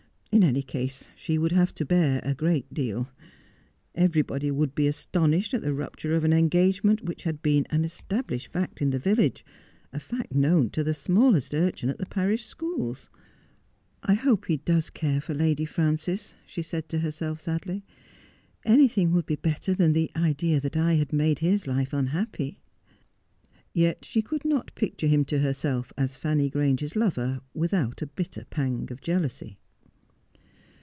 In any case she would have to bear a great deal. Everybody would be astonished at the rupture of an engagement which had been an established fact in the village, a fact known to the smallest urchin at the parish schools. ' I hope he does care for Lady Frances,' she said to her self sadly. ' Anything would be better than the idea that I had made his life unhappy.' Yet she could not picture him to herself as Fanny Grange's lover without a bitter pang of jealousy.